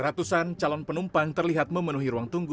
ratusan calon penumpang terlihat memenuhi ruang tunggu